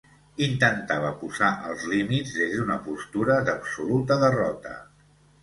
Intentava posar els límits des d'una postura d'absoluta derrota.